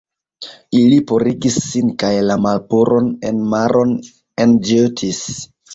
Ili purigis sin kaj la malpuron en maron enĵetis.